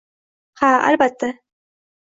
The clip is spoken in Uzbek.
Ha, albatta.